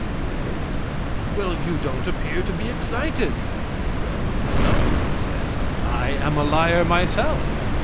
"Yes." "Well, you don't appear to be excited." "Well no," he said; "I am a liar myself."